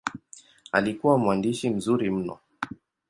Alikuwa mwandishi mzuri mno.